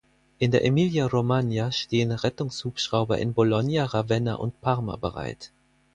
In der Emilia-Romagna stehen Rettungshubschrauber in Bologna, Ravenna und Parma bereit.